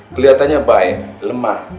keliatannya baik lemah